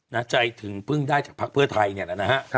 นะใจถึงเพิ่งได้จากภักดิ์เพื่อไทยเนี่ยแล้วนะฮะ